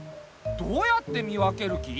どうやって見分ける気？